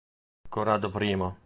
Corrado I